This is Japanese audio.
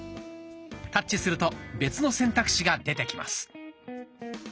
タッチすると別の選択肢が出てきます。